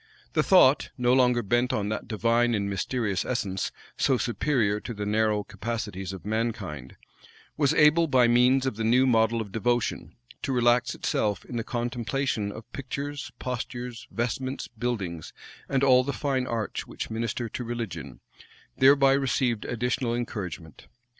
The thought, no longer bent on that divine and mysterious essence, so superior to the narrow capacities of mankind, was able, by means of the new model of devotion, to relax itself in the contemplation of pictures, postures, vestments, buildings; and all the fine arts which minister to religion, thereby received additional encouragement.